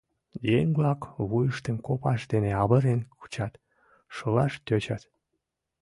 Еҥ-влак вуйыштым копашт дене авырен кучат, шылаш тӧчат.